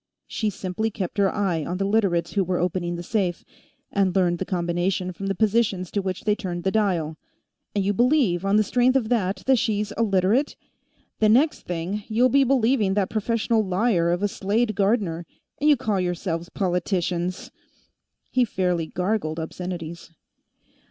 She simply kept her eye on the Literates who were opening the safe, and learned the combination from the positions to which they turned the dial. And you believe, on the strength of that, that she's a Literate? The next thing, you'll be believing that professional liar of a Slade Gardner. And you call yourselves politicians!" He fairly gargled obscenities.